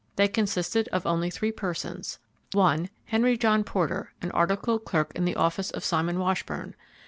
They consisted of only three persons: 1. Henry John Porter, an articled clerk in the office of Simon Washburn.